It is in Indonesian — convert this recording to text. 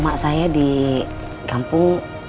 emak saya di kampung